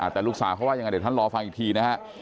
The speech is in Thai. แต่ลูกสาวเขาว่ายังไงเดี๋ยวท่านรอฟังอีกทีนะฮะ